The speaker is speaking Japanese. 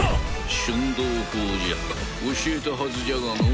瞬動法じゃ教えたはずじゃがの。